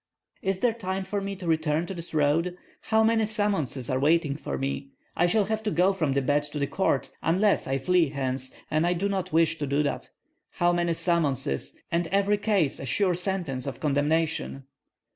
"Is there time for me to return to this road? How many summonses are waiting for me? I shall have to go from the bed to the court unless I flee hence, and I do not wish to do that. How many summonses, and every case a sure sentence of condemnation!"